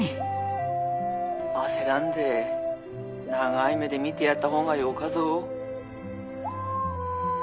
☎焦らんで長い目で見てやった方がよかぞ。